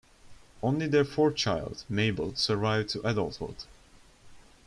Only their fourth child, Mabel, survived to adulthood.